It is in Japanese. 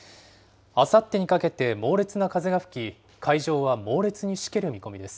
あさってにかけて、猛烈な風が吹き、海上は猛烈にしける見込みです。